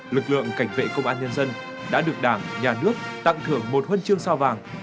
lực lượng cảnh vệ công an nhân dân đã được đảng nhà nước tặng thưởng một huân chương sao vàng